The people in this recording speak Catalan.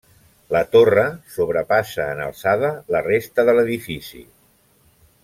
La torre sobrepassa en alçada la resta de l'edifici.